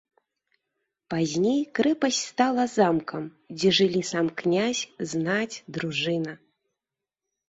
Пазней крэпасць стала замкам, дзе жылі сам князь, знаць, дружына.